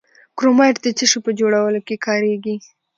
کرومایټ د څه شي په جوړولو کې کاریږي؟